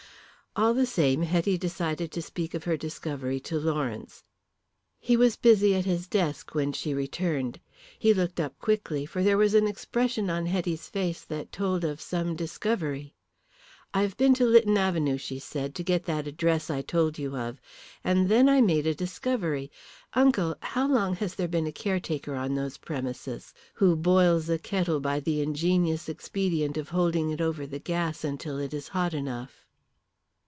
All the same, Hetty decided to speak of her discovery to Lawrence. He was busy at his desk when she returned. He looked up quickly, for there was an expression on Hetty's face that told of some discovery. "I have been to Lytton Avenue," she said, "to get that address I told you of. And then I made a discovery. Uncle, how long has there been a caretaker on those premises, who boils a kettle by the ingenious expedient of holding it over the gas until it is hot enough?"